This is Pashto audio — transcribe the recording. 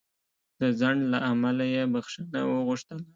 د ځنډ له امله یې بخښنه وغوښتله.